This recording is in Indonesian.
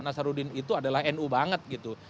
nasarudin itu adalah nu banget gitu